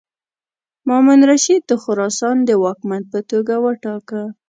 مامون الرشید د خراسان د واکمن په توګه وټاکه.